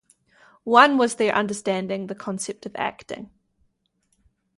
One was their understanding the concept of acting.